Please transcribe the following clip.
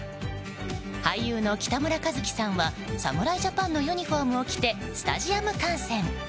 俳優の北村一輝さんは侍ジャパンのユニホームを着てスタジアム観戦。